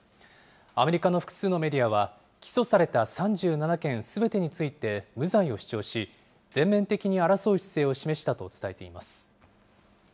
アメリカの複数のメディアは、起訴された３７件すべてについて無罪を主張し、全面的に争う姿勢を示したと伝えています。